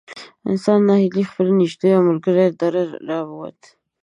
انسان نا هیلی د خپل نږدې او ښه ملګري له دره را ووت.